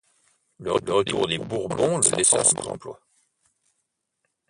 Le retour des Bourbons le laissa sans emploi.